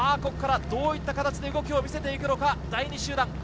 ここからどういった形の動きを見せていくのか第２集団。